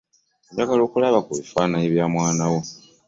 Njagala kulaba ku bifaananyi bya mwana wo.